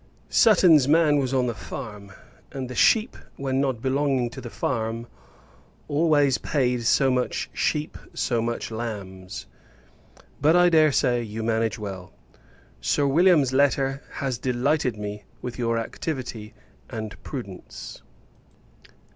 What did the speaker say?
Sutton's man was on the farm; and the sheep, when not belonging to the farm, always paid so much sheep, so much lambs: but, I dare say, you manage well. Sir William's letter has delighted me, with your activity and prudence.